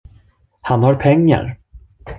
Han har pengar!